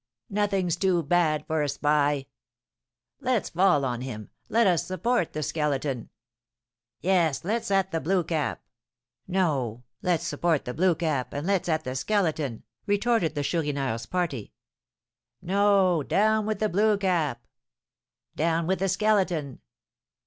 "Nothing's too bad for a spy!" "Let's fall on him! Let us support the Skeleton!" "Yes, let's at the Blue Cap!" "No, let's support the Blue Cap, and let's at the Skeleton!" retorted the Chourineur's party. "No, down with the Blue Cap!" "Down with the Skeleton!"